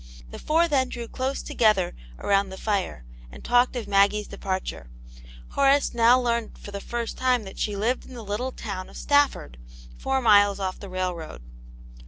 The four then drew close together around the fire, and talked of Maggie's departure; Horace now learned for the first time that she lived in the little town of Stafford, four miles off the railroad.